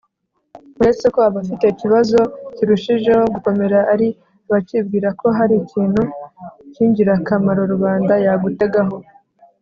Uretse ko abafite ikibazo kirushijeho gukomera ari abacyibwira ko hari ikintu cy'ingirakamaro rubanda yagutegaho,